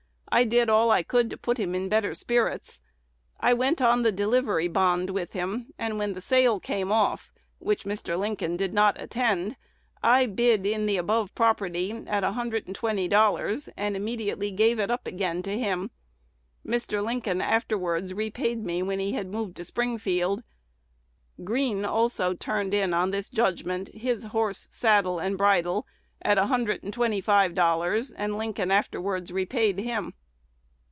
I did all I could to put him in better spirits. I went on the delivery bond with him; and when the sale came off, which Mr. Lincoln did not attend, I bid in the above property at a hundred and twenty dollars, and immediately gave it up again to him. Mr. Lincoln afterwards repaid me when he had moved to Springfield. Greene also turned in on this judgment his horse, saddle, and bridle at a hundred and twenty five dollars; and Lincoln afterwards repaid him."